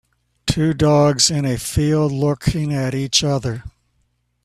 Two dogs in a field looking at each other.